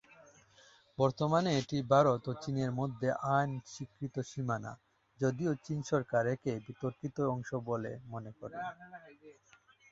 বর্তমানে এটি ভারত ও চিনের মধ্যে আইন স্বীকৃত সীমানা, যদিও চীন সরকার একে বিতর্কিত অংশ বলে মনে করে।